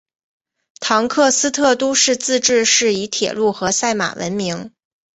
唐克斯特都市自治市以铁路和赛马闻名。